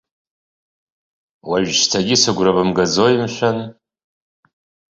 Ожәшьҭагьы сыгәра бымгаӡои, мшәан.